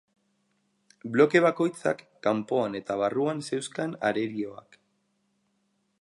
Bloke bakoitzak kanpoan eta barruan zeuzkan arerioak.